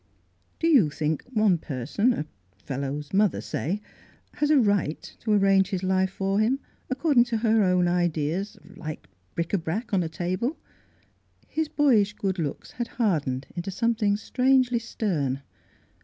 " Do you think one person — a fellow's Miss FJulura's JVeddi/ig Gcjsfi mother, say — has a right to arrange his life for him, according to her own ideas, like — er — bric a brac on a table? " His boyish good looks had hardened into something strangely stern.